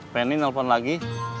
pengen nih telfon lagi